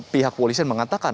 pihak polisi mengatakan